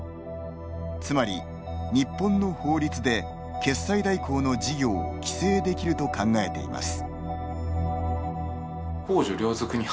つまり、日本の法律で決済代行の事業を規制できると考えています。